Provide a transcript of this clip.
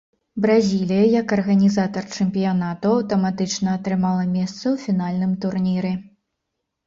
Бразілія як арганізатар чэмпіянату аўтаматычна атрымала месца ў фінальным турніры.